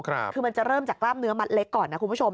คือมันจะเริ่มจากกล้ามเนื้อมัดเล็กก่อนนะคุณผู้ชม